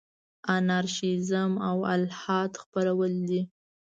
انارشیزم او الحاد خپرول دي.